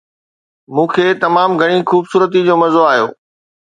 مون کي تمام گهڻي خوبصورتي جو مزو آيو